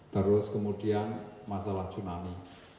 terus kemudian masalah tsunami